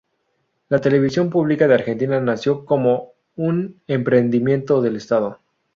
La Televisión Pública de Argentina nació como un emprendimiento del Estado.